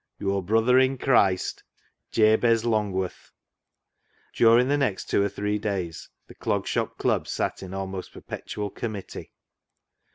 " Your brother in Christ, "Jabez Longworth." During the next two or three days the Clog 286 CLOG SHOP CHRONICLES Shop Club sat in almost perpetual committee.